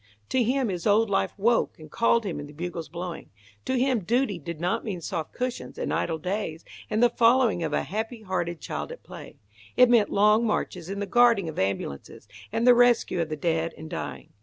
To him his old life woke and called him in the bugle's blowing. To him duty did not mean soft cushions, and idle days, and the following of a happy hearted child at play. It meant long marches and the guarding of ambulances and the rescue of the dead and dying.